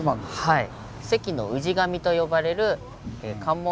はい。